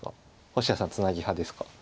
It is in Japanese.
星合さんツナギ派ですか？